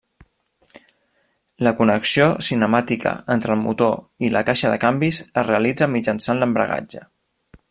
La connexió cinemàtica entre el motor i la caixa de canvis es realitza mitjançant l'embragatge.